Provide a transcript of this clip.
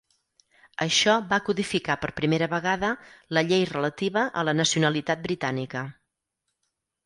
Això va codificar per primera vegada la llei relativa a la nacionalitat britànica.